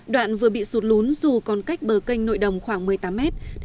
đoạn vừa bị sụt lún dù còn cách bờ canh nội đồng khoảng một mươi tám mét